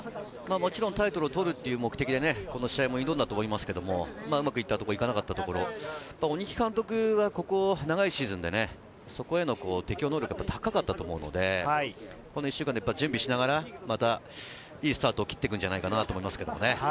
もちろんタイトルを取るという目的でこの試合も挑んだと思いますけれど、うまくいったところ、いかなかったところ、鬼木監督は長いシーズンで、そこへの適応能力が高かったと思うので、この１週間で準備しながら、いいスタートを切ってくるんじゃないかなと思います。